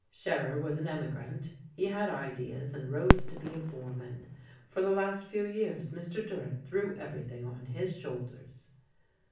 Scherer was an emigrant, he had ideas, and rose to be a foreman. For the last few years Mr. Durrett threw everything on his shoulders...."